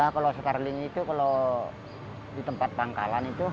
kalau starling itu kalau di tempat tangkalan itu